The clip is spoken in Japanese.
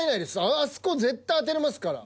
あそこ絶対当てれますから。